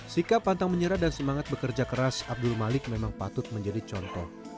sikap pantang menyerah dan semangat bekerja keras abdul malik memang patut menjadi contoh